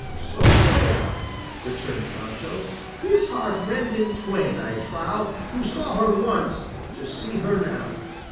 "So say I," returned Sancho; "his heart rend in twain, I trow, who saw her once, to see her now."